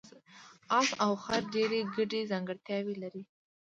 اس او خر ډېرې ګډې ځانګړتیاوې لري.